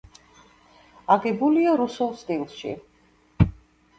აგებულია რუსულ სტილში.